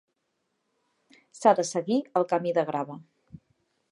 S'ha de seguir el camí de grava.